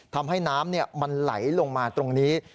ทำให้น้ำมันไหลลงมาตรงนี้